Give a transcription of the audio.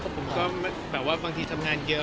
ผมก็แบบว่าบางทีทำงานเยอะ